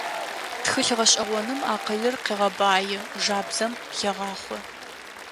Тхылъ гъэшӏэгъоным акъылыр къегъэбаи, жабзэм хегъахъо.